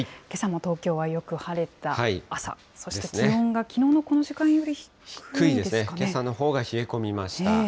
けさも東京はよく晴れた朝、そして気温がきのうのこの時間よりもけさのほうが冷え込みました。